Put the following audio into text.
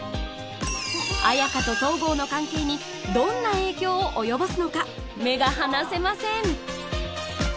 綾華と東郷の関係にどんな影響を及ぼすのか目が離せません